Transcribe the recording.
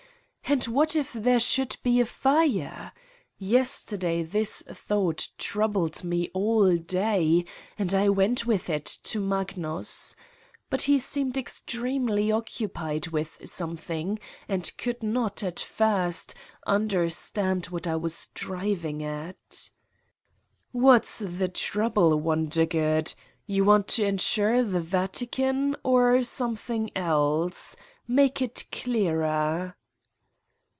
And what if there should be a fire? Yesterday this thought troubled me all day and I went with it to Magnus. But he seems extremely occupied with something and could not, at first, understand what I was driving at. "What's the trouble, Wondergood? You want to insure the Vatican or something else? Make it clearer?"